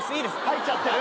入っちゃってる。